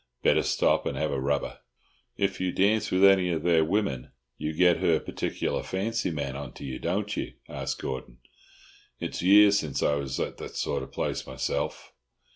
Better stop and have a rubber." "If you dance with any of their women, you get her particular fancy man on to you, don't you?" asked Gordon. "It's years since I was at that sort of place myself."